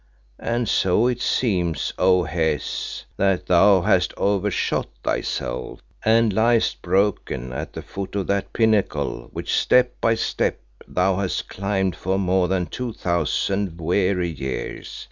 And so it seems, O Hes, that thou hast overshot thyself and liest broken at the foot of that pinnacle which step by step thou hast climbed for more than two thousand weary years.